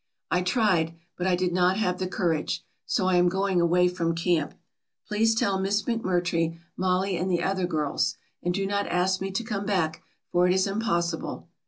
I tried but I did not have the courage, so I am going away from camp. Please tell Miss McMurtry, Mollie and the other girls and do not ask me to come back, for it is impossible.